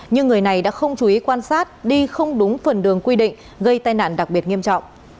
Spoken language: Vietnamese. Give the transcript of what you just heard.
nhưng người này đã không chú ý quan sát đi không đúng phần đường quy định gây tai nạn đặc biệt nghiêm trọng